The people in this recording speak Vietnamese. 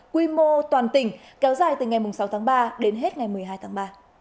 quy mô toàn tỉnh kéo dài từ ngày sáu tháng ba đến hết ngày một mươi hai tháng ba